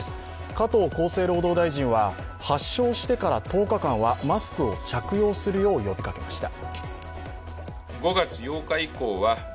加藤厚生労働大臣は発症してから１０日間はマスクを着用するよう呼びかけました。